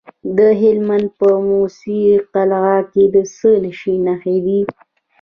د هلمند په موسی قلعه کې د څه شي نښې دي؟